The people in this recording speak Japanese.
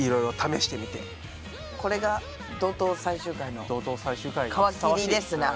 これが怒とう最終回の皮切りですな。